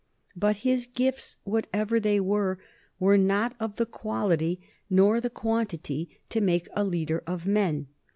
But his gifts, whatever they were, were not of the quality nor the quantity to make a leader of men.